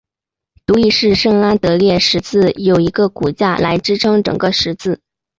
独立式圣安得烈十字有一个骨架来支撑整个十字。